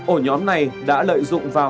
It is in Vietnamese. ổ nhóm này đã lợi dụng vào